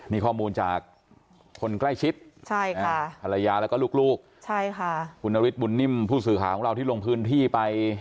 นี่ข้อมูลจากคนใกล้ชิดภรรยาแล้วก็ลูกคุณนฤทธบุญนิ่มผู้สื่อข่าวของเราที่ลงพื้นที่ไป